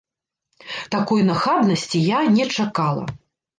Такой нахабнасці я не чакала.